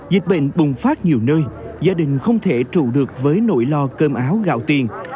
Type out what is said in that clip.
dịch bệnh bùng phát nhiều nơi gia đình không thể trụ được với nỗi lo cơm áo gạo tiền